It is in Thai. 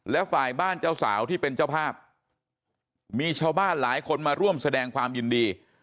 และฝ่ายบ้านเจ้าสาวที่เป็นเจ้าภาพมีชาวบ้านหลายคนมาร่วมแสดงความยินดี